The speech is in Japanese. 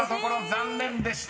［残念でした］